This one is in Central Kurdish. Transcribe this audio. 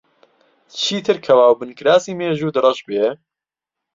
چیتر کەوا و بنکراسی مێژووت ڕەش بێ؟